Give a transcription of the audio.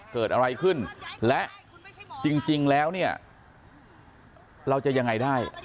เกิดอะไรขึ้นและจริงแล้วเนี่ยเราจะยังไงได้